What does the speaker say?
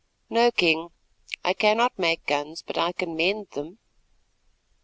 "No, King, I cannot make guns, but I can mend them."